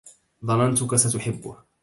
ظننتك ستحبه.